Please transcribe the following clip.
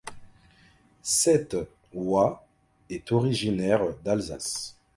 Cette oie est originaire d'Alsace.